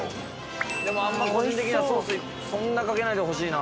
でもあんま個人的にはソースそんなかけないでほしいな。